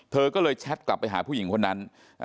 เธอก็เลยแชทกลับไปหาผู้หญิงคนนั้น